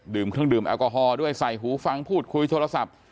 เครื่องดื่มแอลกอฮอล์ด้วยใส่หูฟังพูดคุยโทรศัพท์